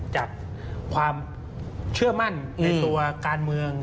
จากความเชื่อมั่นในตัวการเมือง